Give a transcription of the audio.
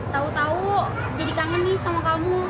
tau tau jadi kangen nih sama kamu